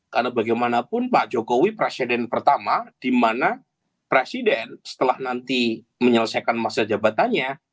karena bagaimanapun pak jokowi presiden pertama di mana presiden setelah nanti menyelesaikan masa jabatannya